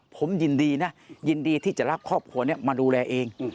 ผมยินดีนะยินดีที่จะรับครอบครัวนี้มาดูแลเอง